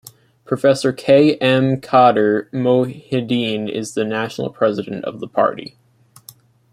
Professor K. M. Khader Mohideen is the National President of the party.